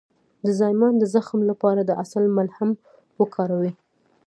د زایمان د زخم لپاره د عسل ملهم وکاروئ